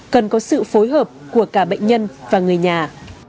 cần có sự phối hợp của cả bệnh nhân và người nhà